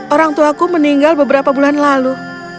orang tuaku meninggal beberapa bulan lalu